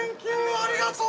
ありがとう！